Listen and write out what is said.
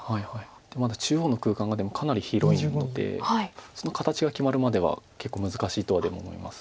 まだ中央の空間がでもかなり広いのでその形が決まるまでは結構難しいとはでも思います。